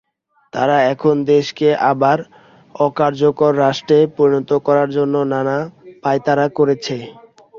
তারা এখন দেশকে আবার অকার্যকর রাষ্ট্রে পরিণত করার জন্য নানা পাঁয়তারা করছে।